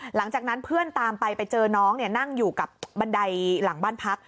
หลังจากนั้นเพื่อนตามไปไปเจอน้องนั่งอยู่กับบันไดหลังบ้านพัก